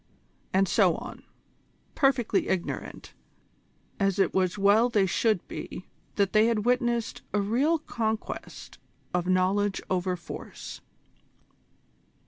and so on, perfectly ignorant, as it was well they should be, that they had witnessed a real conquest of Knowledge over Force.